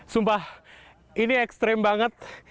sumpah ini ekstrem banget